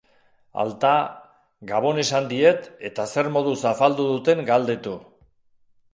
Alta, gabon esan diet eta zer moduz afaldu duten galdetu.